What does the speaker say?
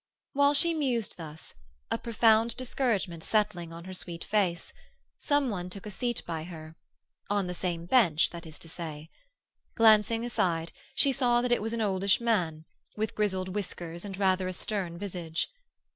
While she mused thus, a profound discouragement settling on her sweet face, some one took a seat by her—on the same bench, that is to say. Glancing aside, she saw that it was an oldish man, with grizzled whiskers and rather a stern visage.